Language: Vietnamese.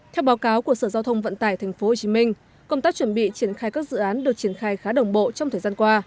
theo báo cáo của sở giao thông vận tải tp hcm công tác chuẩn bị triển khai các dự án được triển khai khá đồng bộ trong thời gian qua